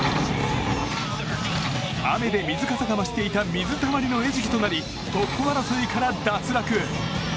雨で水かさが増していた水たまりの餌食となりトップ争いから脱落。